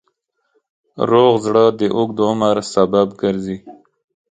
روغ زړه د اوږد عمر سبب ګرځي.